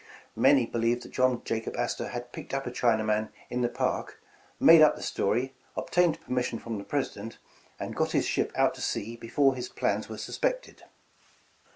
Many believed that John Jacob Astor had picked up a Chinaman in the Park, made up the story, obtained permission from the President, and got his ship out to sea before his plans were suspected.